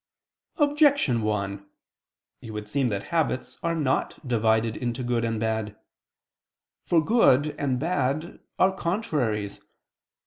Objection 1: It would seem that habits are not divided into good and bad. For good and bad are contraries.